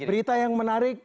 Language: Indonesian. berita yang menarik